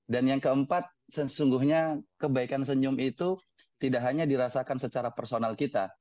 dan yang keempat sesungguhnya kebaikan senyum itu tidak hanya dirasakan secara personal kita